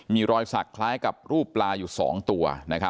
มีรอยสักคล้ายกับรูปปลาอยู่๒ตัว